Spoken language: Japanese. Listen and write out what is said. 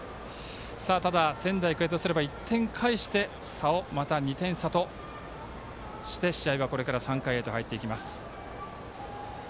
ただ仙台育英とすれば１点返して差をまた２点差として試合はこれから３回へと入っていきます。